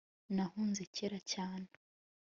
nahunze cyera cyane